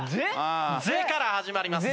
「ゼ」から始まります。